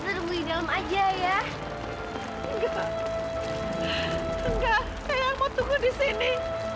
enggak eyang mau tunggu di sini